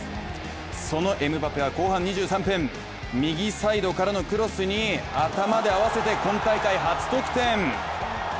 そのエムバペは後半２３分、右サイドからのクロスに頭で合わせて今大会初得点。